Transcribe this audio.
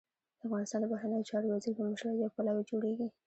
د افغانستان د بهرنیو چارو وزیر په مشرۍ يو پلاوی جوړېږي.